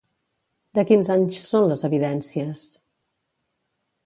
De quins anys són les evidències?